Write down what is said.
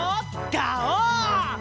ガオー！